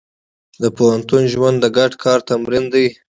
د پوهنتون ژوند د ګډ کار تمرین دی.